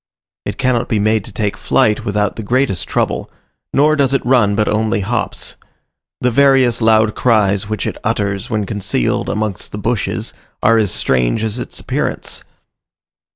It cannot be made to take flight without the greatest trouble, nor does it run, but only hops. The various loud cries which it utters when concealed amongst the bushes, are as strange as its appearance.